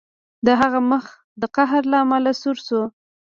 د هغه مخ د قهر له امله سور شو